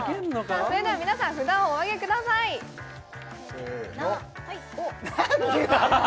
さあそれでは皆さん札をおあげくださいせーの何でだよ！？